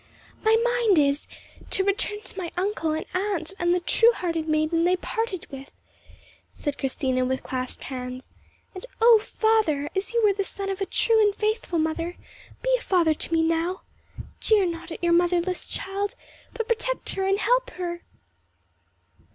"My mind is—is to return to my uncle and aunt the true hearted maiden they parted with," said Christina, with clasped hands. "And oh, father, as you were the son of a true and faithful mother, be a father to me now! Jeer not your motherless child, but protect her and help her."